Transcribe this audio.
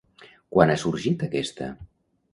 Quan ha sorgit aquesta?